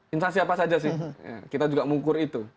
instansi apa saja sih kita juga mengukur itu